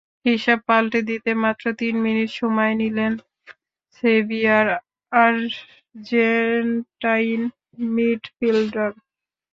হিসাব পাল্টে দিতে মাত্র তিন মিনিট সময় নিলেন সেভিয়ার আর্জেন্টাইন মিডফিল্ডার।